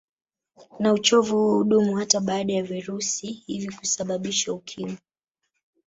Na uchovu huu hudumu hata baada ya virusi hivi kusababisha Ukimwi